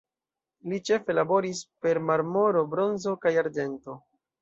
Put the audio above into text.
Li ĉefe laboris per marmoro, bronzo kaj arĝento.